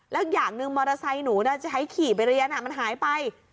แล้วอย่างหนึ่งมอเตอร์ไซค์หนูจะให้ขี่ไปเรียนมันหายไป